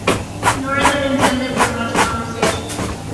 Nor is it intended for much conversation.